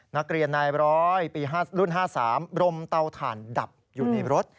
นักเรียนนายร้อยปีรุ่น๕๓รมเตาถ่านดับอยู่ในรถ